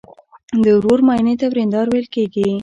د ورور ماینې ته وریندار ویل کیږي.